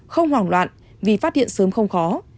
không hoảng loạn vì phát hiện sớm không khó